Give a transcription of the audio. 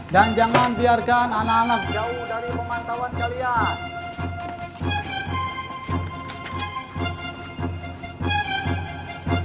dan jangan biarkan anak anak jauh dari pemantauan kalian